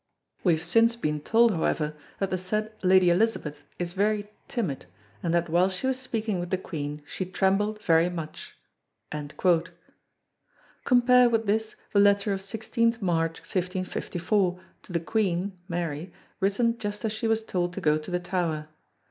We have since been told, however, that the said Lady Elizabeth is very timid, and that while she was speaking with the Queen she trembled very much." Compare with this the letter of 16th March, 1554 to the Queen (Mary) written just as she was told to go to the Tower.